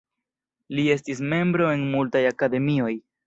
Li estis membro en multaj akademioj.